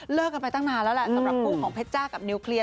กันไปตั้งนานแล้วแหละสำหรับคู่ของเพชรจ้ากับนิวเคลียร์